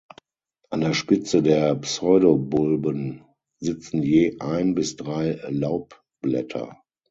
An der Spitze der Pseudobulben sitzen je ein bis drei Laubblätter.